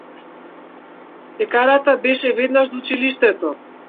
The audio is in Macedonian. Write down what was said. Пекарата беше веднаш до училиштето.